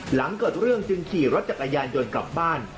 หลังเกิดเรื่องจึงขี่รถจักรยานยนต์กลับบ้าน